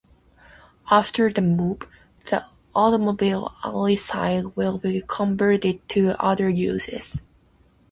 After the move, the Automobile Alley site will be converted to other uses.